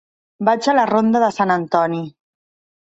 Vaig a la ronda de Sant Antoni.